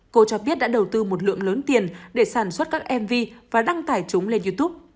cô cho biết đã đầu tư một lượng lớn tiền để sản xuất các mv và đăng tải chúng lên youtube